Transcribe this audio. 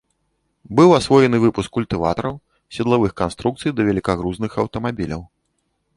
Быў асвоены выпуск культыватараў, седлавых канструкцый да велікагрузных аўтамабіляў.